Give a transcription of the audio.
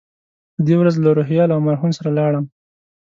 په دې ورځ له روهیال او مرهون سره لاړم.